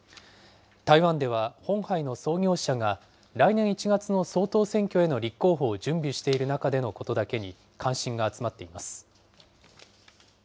台湾ではホンハイの創業者が、来年１月の総統選挙への立候補を準備している中でのことだけに、関心が集まっています。